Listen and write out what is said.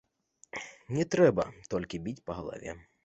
Не трэба толькі біць па галаве.